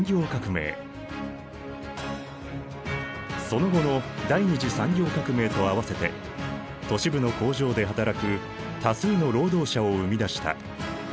その後の第二次産業革命と併せて都市部の工場で働く多数の労働者を生み出した。